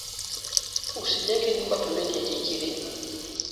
Usijenge nyumba pembeni ya iki kilima